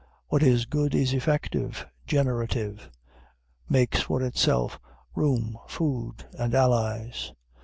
What is good is effective, generative; makes for itself room, food, and allies.